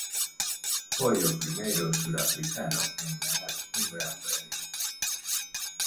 Foi o primeiro surafricano en gañar un Gran Premio.